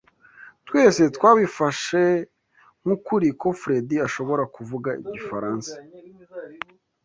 Twese twabifashe nk'ukuri ko Fredy ashobora kuvuga igifaransa.